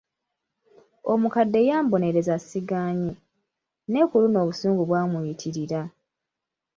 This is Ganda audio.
Omukadde yambonereza sigaanye, naye ku luno obusungu bwamuyitirira.